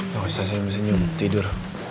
gak usah saya senyum tidur